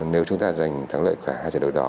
nếu chúng ta giành thắng lợi của hai trận đấu đó